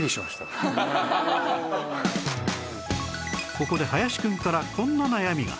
ここで林くんからこんな悩みが